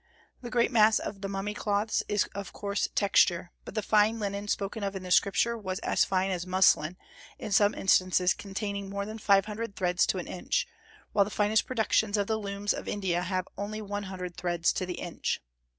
The great mass of the mummy cloths is of coarse texture; but the "fine linen" spoken of in the Scripture was as fine as muslin, in some instances containing more than five hundred threads to an inch, while the finest productions of the looms of India have only one hundred threads to the inch.